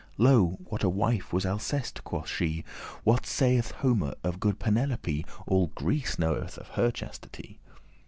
Lo, what a wife was Alceste?" quoth she. "What saith Homer of good Penelope? All Greece knoweth of her chastity.